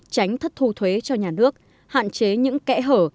tránh thất thu thuế cho nhà nước hạn chế những kẽ hở